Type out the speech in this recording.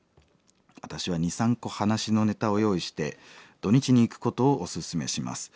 私は２３個話のネタを用意して土日に行くことをオススメします」。